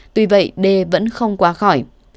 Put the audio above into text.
tuy vậy đê vẫn không qua khỏi